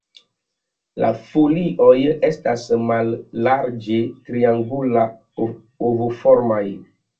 La folioj estas mallarĝe triangulaj- ovoformaj.